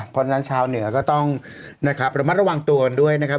เพราะฉะนั้นชาวเหนือก็ต้องนะครับระมัดระวังตัวกันด้วยนะครับ